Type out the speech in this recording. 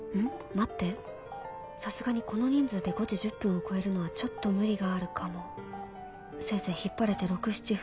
待ってさすがにこの人数で５時１０分を超えるのはちょっと無理があるかもせいぜい引っ張れて６７分